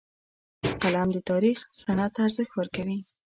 قلم د تاریخ سند ته ارزښت ورکوي